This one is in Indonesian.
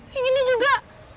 yang ini juga